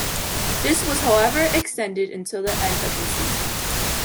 This was however extended until the end of the season.